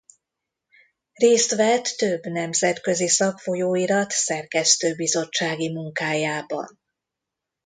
Részt vett több nemzetközi szakfolyóirat szerkesztőbizottsági munkájában.